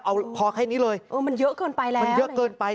เอาพอแค่นี้เลยเออมันเยอะเกินไปแล้วมันเยอะเกินไป